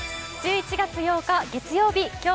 １１月８日月曜日